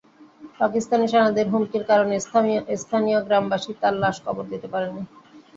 পাকিস্তানি সেনাদের হুমকির কারণে স্থানীয় গ্রামবাসী তাঁর লাশ কবর দিতে পারেননি।